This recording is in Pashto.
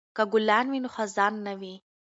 که ګلان وي نو خزان نه وي.